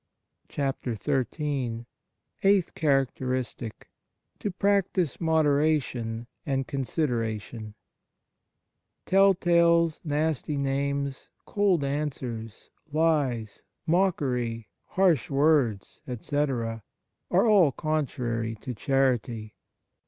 29 XIII EIGHTH CHARACTERISTIC To practise moderation and consideration TELL TALES, nasty names, cold answers, lies, mockery, harsh words, etc., are all contrary to charity.